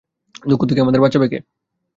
দুঃখ থেকে আমাদেরকে বাঁচাবে কে?